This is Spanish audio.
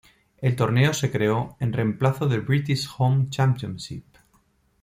El torneo se creó en remplazo del British Home Championship.